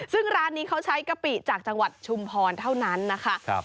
ซึ่งร้านนี้เขาใช้กะปิจากจังหวัดชุมพรเท่านั้นนะคะ